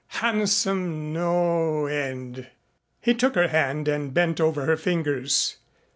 Handsome no end." He took her hand and bent over her fingers.